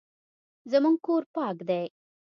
زموږ کور پاک دی